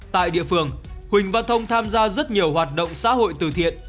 tại địa phương huỳnh văn thông tham gia rất nhiều hoạt động xã hội từ thiện